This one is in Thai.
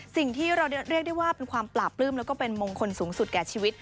สิ่งที่เราเรียกได้ว่าเป็นความปราบปลื้มแล้วก็เป็นมงคลสูงสุดแก่ชีวิต